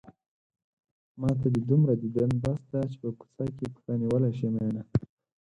ماته دې دومره ديدن بس دی چې په کوڅه کې پښه نيولی شې مينه